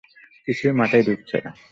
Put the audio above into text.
কিছুই মাথায় ঢুকছে না।